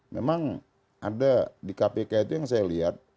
memang ada di kpk itu yang saya lihat